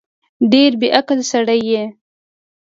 ډېر بیعقل سړی یې